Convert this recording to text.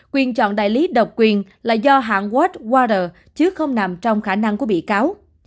quyền chọn đại lý độc quyền là do hãng wattwater chứ không nằm trong khả năng của bị cáo